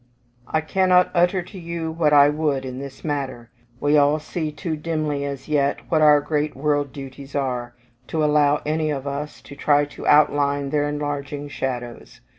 I cannot utter to you what I would in this matter; we all see too dimly, as yet, what our great world duties are, to allow any of us to try to outline their enlarging shadows.